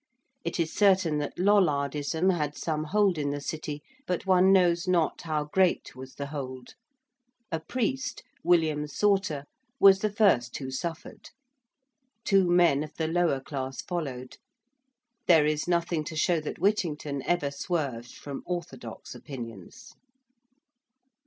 It is certain that Lollardism had some hold in the City, but one knows not how great was the hold. A priest, William Sawtre, was the first who suffered. Two men of the lower class followed. There is nothing to show that Whittington ever swerved from orthodox opinions.